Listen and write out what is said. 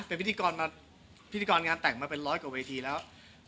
เป็นพิธีกรมาพิธีกรงานแต่งมาเป็นร้อยกว่าเวทีแล้ว